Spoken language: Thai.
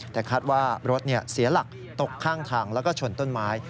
แต่คาดว่ารถเสียหลักตกข้างทางแล้วก็ชนต้นไม้